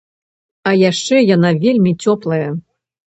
А яшчэ яна вельмі цёплая.